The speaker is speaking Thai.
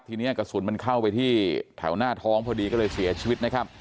ทีนี้กระสุนมันเข้าไปที่แถวหน้าท้องพอดีก็เลยเสียชีวิตนะครับ